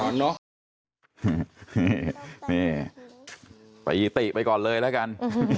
นี่ไปเอี๊ยะติ๋ไปก่อนเลยละกัน